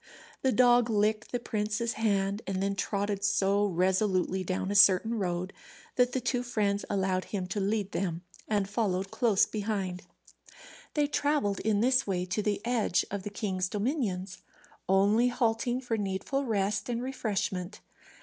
The dog licked the prince's hand, and then trotted so resolutely down a certain road that the two friends allowed him to lead them and followed close behind. They travelled in this way to the edge of the king's dominions, only halting for needful rest and refreshment.